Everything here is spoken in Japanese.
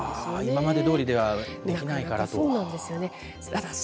今までどおりではできないからと。